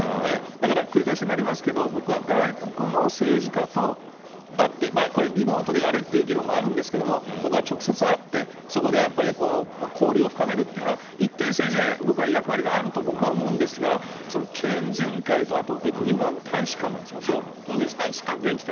だから繰り返しになりますけど、僕は外国の政治家と会って、これ、リモートでやれって議論もあるんですけれども、僕は直接会って、そこでやっぱり交流を深めるというのは、一定、政治の役割があると僕は思うんですが、県人会と、そう、現地大使館？